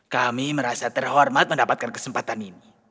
kami merasa terhormat mendapatkan kesempatan ini